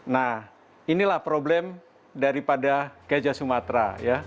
nah inilah problem daripada gajah sumatera